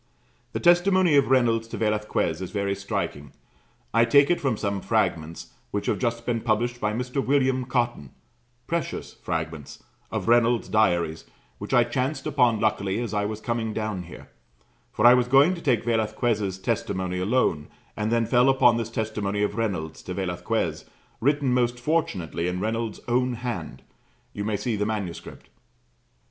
The testimony of Reynolds to Velasquez is very striking. I take it from some fragments which have just been published by Mr. William Cotton precious fragments of Reynolds' diaries, which I chanced upon luckily as I was coming down here: for I was going to take Velasquez' testimony alone, and then fell upon this testimony of Reynolds to Velasquez, written most fortunately in Reynolds' own hand you may see the manuscript.